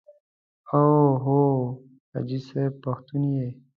او هو حاجي صاحب پښتون یې.